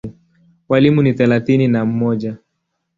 Walimu ni thelathini na mmoja.